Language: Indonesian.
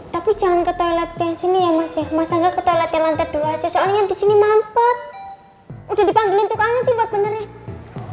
tapi jangan ke toilet yang sini ya mas mas angga ke toilet yang lantai dua aja soalnya disini mampet udah dipanggilin tukangnya sih buat beneran